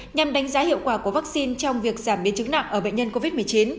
nhằm đánh giá hiệu quả của vaccine trong việc giảm biến chứng nặng ở bệnh nhân covid một mươi chín